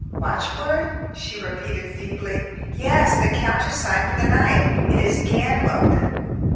"Watchword?" she repeated feebly. "Yes, the countersign for the night. It is Ganlook.